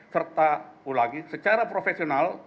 serta ulangi secara profesional